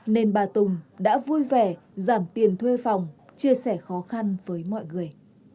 nên bà tùng đã vui vẻ giảm tiền thuê phòng chia sẻ khó khăn với mọi người